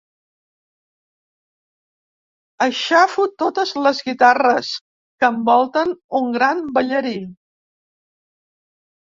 Aixafo totes les guitarres que envolten un gran ballarí.